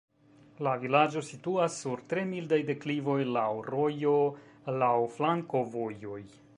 La vilaĝo situas sur tre mildaj deklivoj, laŭ rojo, laŭ flankovojoj.